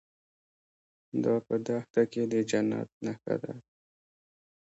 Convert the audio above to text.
دا په دښته کې د جنت نښه ده.